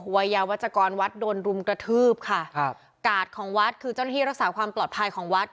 วัยยาวัชกรวัดโดนรุมกระทืบค่ะครับกาดของวัดคือเจ้าหน้าที่รักษาความปลอดภัยของวัด